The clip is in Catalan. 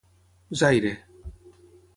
Zaire.